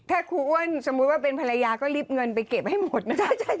ถ้าครูอ้วนสมมุติว่าเป็นภรรยาก็รีบเงินไปเก็บให้หมดไม่แน่ใจ